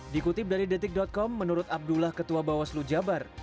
dikutip dari detik com menurut abdullah ketua bawaslu jabar